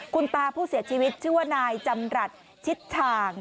คุณตาผู้เสียชีวิตชื่อว่านายจำรัฐชิดฉาง